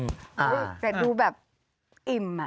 อื้อแต่ดูแบบอิ่มอ่ะ